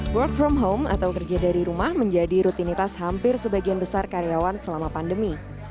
work from home atau kerja dari rumah menjadi rutinitas hampir sebagian besar karyawan selama pandemi